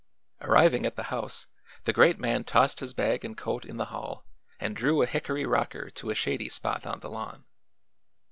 Arriving at the house the Great Man tossed his bag and coat in the hall and drew a hickory rocker to a shady spot on the lawn.